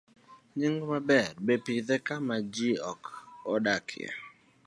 B. Nying maber. Ber pidhe kama ji ok odakie